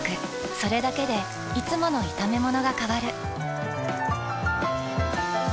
それだけでいつもの炒めものが変わる。